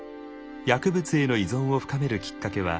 薬物への依存を深めるきっかけはその失敗でした。